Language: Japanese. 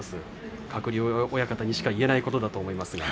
鶴竜親方にしか言えないことだと思います。